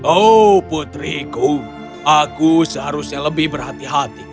oh putriku aku seharusnya lebih berhati hati